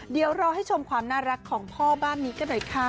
เดี๋ยวรอให้ชมความน่ารักของพ่อบ้านนี้กันหน่อยค่ะ